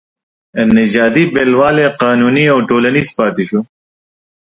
نژادي بېلوالی قانوني او ټولنیز پاتې شو.